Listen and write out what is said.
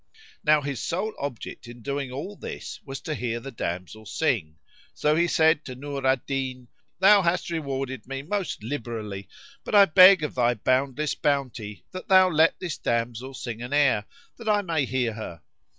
Now his sole object in doing all this was to hear the damsel sing; so he said to Nur al Din, "Thou hast rewarded me most liberally, but I beg of thy boundless bounty that thou let this damsel sing an air, that I may hear her."